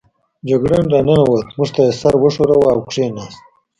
جګړن را ننوت، موږ ته یې سر و ښوراوه او کېناست.